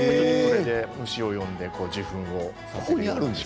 虫を呼んで受粉させているんです。